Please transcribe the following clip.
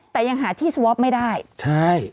แต่ยังหาที่สวอปไม่ได้ใช่